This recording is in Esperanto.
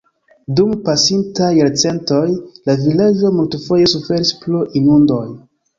Dum pasintaj jarcentoj la vilaĝo multfoje suferis pro inundoj.